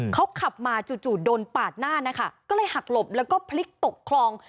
เขาขับมาจู่โดนปาดหน้านะคะก็เลยหักหลบแล้วก็พลิกตกคลอง